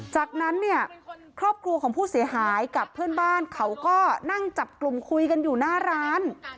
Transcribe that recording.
จากนั้นเนี่ยครอบครัวของผู้เสียหายกับเพื่อนบ้านเขาก็นั่งจับกลุ่มคุยกันอยู่หน้าร้าน